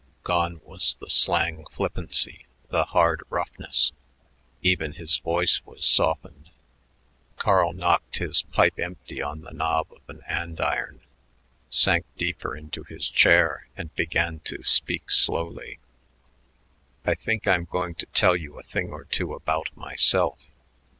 Gone was the slang flippancy, the hard roughness. Even his voice was softened. Carl knocked his pipe empty on the knob of an andiron, sank deeper into his chair, and began to speak slowly. "I think I'm going to tell you a thing or two about myself.